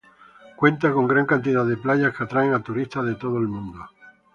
Cuenta con gran cantidad de playas que atraen a turistas de todo el mundo.